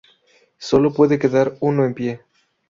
Solo puede quedar uno en pie.